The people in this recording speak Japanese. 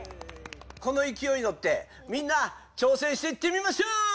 このいきおいにのってみんな挑戦していってみましょう！